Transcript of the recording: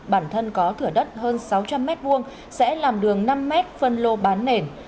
bản thân có thửa đất hơn sáu trăm linh m hai sẽ làm đường năm m phân lô bán nền